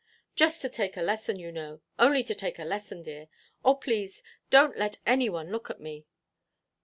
"Just to take a lesson, you know; only to take a lesson, dear. Oh, please, donʼt let any one look at me."